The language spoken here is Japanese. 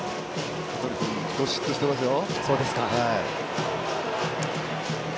香取君どしっとしてますよ。